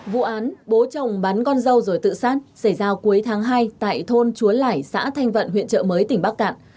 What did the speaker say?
vụ án bố chồng bắn con dâu rồi tự sát xảy ra cuối tháng hai tại thôn chúa lải xã thanh vận huyện chợ mới tỉnh bắc cạn